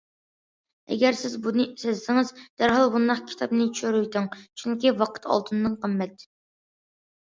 ئەگەر سىز بۇنى سەزسىڭىز دەرھال بۇنداق كىتابىنى چۆرۈۋېتىڭ، چۈنكى ۋاقىت ئالتۇندىن قىممەت.